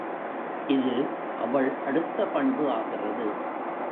இது அவள் அடுத்த பண்பு ஆகிறது.